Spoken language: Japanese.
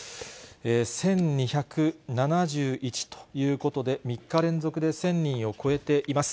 １２７１ということで、３日連続で１０００人を超えています。